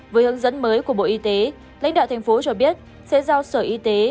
với hướng dẫn mới của bộ y tế lãnh đạo thành phố cho biết sẽ giao sở y tế